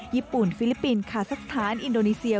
ญี่ปุ่นฟิลิปปินส์คาซักสถานอินโดนีเซีย